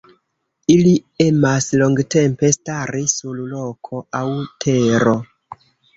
Ili emas longtempe stari sur roko aŭ tero.